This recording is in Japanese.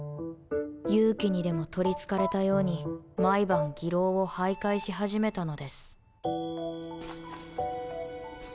幽鬼にでも取りつかれたように毎晩妓楼を徘徊し始めたのです。